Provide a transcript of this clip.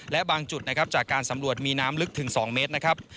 และบางจุดจากการสำรวจมีน้ำลึกถึง๒เมตร